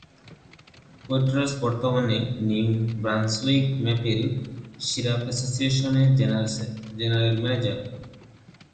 Poitras বর্তমানে New Brunswick maple syrup অ্যাসোসিয়েশনের general manager.